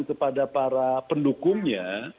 kepada para pendukungnya